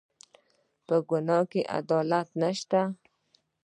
په ګناه کې اطاعت نشته